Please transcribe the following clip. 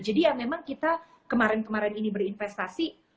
jadi ya memang kita kemarin kemarin ini berinvestasi